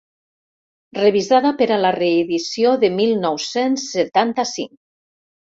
Revisada per a la reedició de mil nou-cents setanta-cinc.